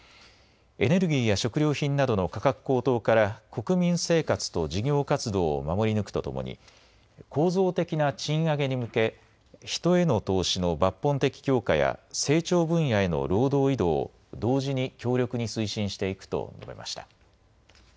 エネルギーや食料品などの価格高騰から国民生活と事業活動を守り抜くとともに構造的な賃上げに向け人への投資の抜本的強化や成長分野への労働移動を同時に強力に推進していくと述べました。